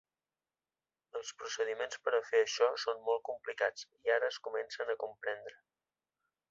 Els procediments per a fer això són molt complicats i ara es comencen a comprendre.